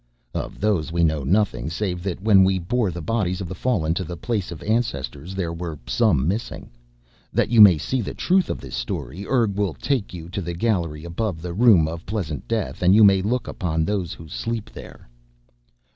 "Of those we know nothing save that when we bore the bodies of the fallen to the Place of Ancestors there were some missing. That you may see the truth of this story, Urg will take you to the gallery above the Room of Pleasant Death and you may look upon those who sleep there."